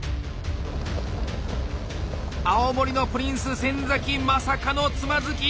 青森のプリンス・先まさかのつまずき。